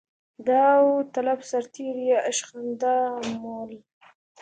داوطلب سرتېري یې استخدامول.